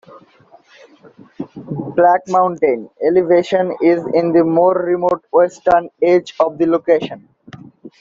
Black Mountain, elevation is in the more remote western edge of the location.